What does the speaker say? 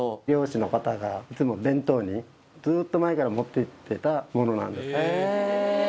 漁師の方がいつも弁当にずっと前から持っていってたものなんです。